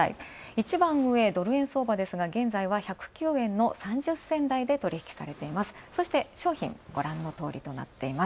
一番上ドル円相場ですが、１０９円の３０銭台で取引されています。